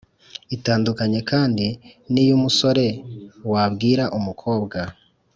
itandukanye kandi n’iy’umusore wabwira umukobwa